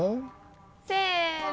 せの！